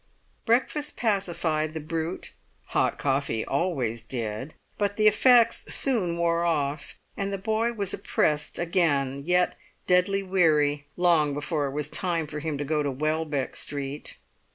Breakfast pacified the brute; hot coffee always did; but the effects soon wore off, and the boy was oppressed again, yet deadly weary, long before it was time for him to go to Welbeck Street.